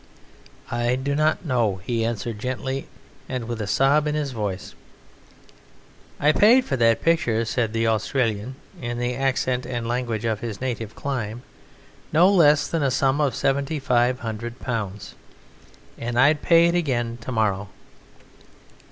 "I do not know," he answered gently and with a sob in his voice. "I paid for that picture," said the Australian, in the accent and language of his native clime, "no less a sum than £7500 ... and I'd pay it again to morrow!"